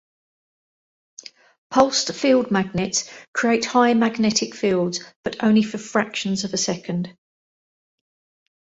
Pulsed field magnets create high magnetic fields, but only for fractions of a second.